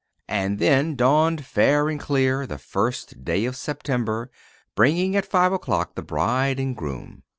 And then dawned fair and clear the first day of September, bringing at five o'clock the bride and groom.